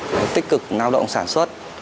để tích cực lao động sản xuất